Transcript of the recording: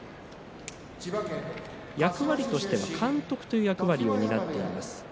役割としては監督という役割を担っています。